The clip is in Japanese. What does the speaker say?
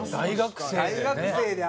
大学生でね。